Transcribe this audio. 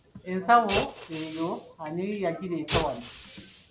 Ensawo eyo ani yagireeta wano?